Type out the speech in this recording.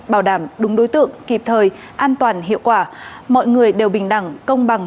bảo đảm đúng đối tượng kịp thời an toàn hiệu quả mọi người đều bình đẳng công bằng